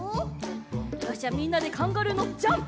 よしじゃあみんなでカンガルーのジャンプ！